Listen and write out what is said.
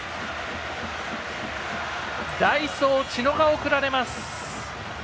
代走、知野が送られます。